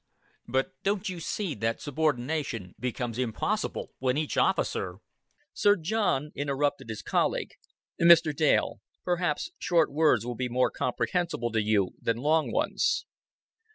"But don't you see that subordination becomes impossible when each officer " Sir John interrupted his colleague. "Mr. Dale, perhaps short words will be more comprehensible to you than long ones."